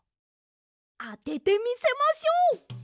あててみせましょう！